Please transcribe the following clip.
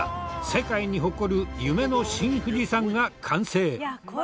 世界に誇る夢の新富士山が完成。